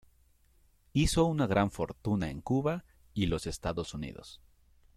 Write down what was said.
Hizo una gran fortuna en Cuba y los Estados Unidos.